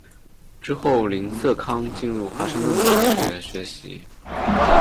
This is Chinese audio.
之后林瑟康进入华盛顿大学学习。